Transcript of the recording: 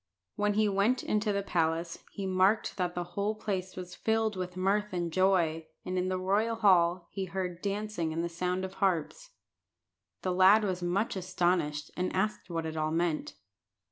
When he went into the palace, he marked that the whole place was filled with mirth and joy, and in the royal hall he heard dancing and the sound of harps. The lad was much astonished, and asked what it all meant.